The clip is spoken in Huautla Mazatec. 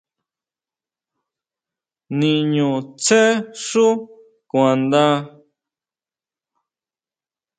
Niñutsjé xú kuandá.